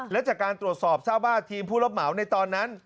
และจากการตรวจสอบทราบว่าทีมผู้รับเหมาในตอนนั้น